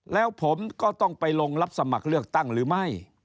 แล้วผมก็ต้องไปลงรับสมัครเลือกตั้งหรือไม่